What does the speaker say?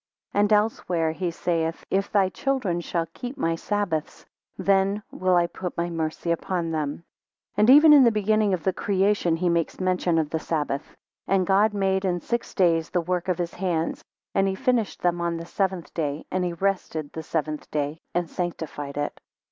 2 And elsewhere he saith; If thy children shall keep my Sabbaths, then will I put my mercy upon them. 3 And even in the beginning of the creation he makes mention of the sabbath. And God made in six days the works of his hands, and he finished them on the seventh day; and he rested the seventh day, and sanctified it.